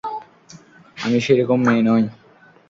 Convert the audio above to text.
আমি সেরকম মেয়ে নই।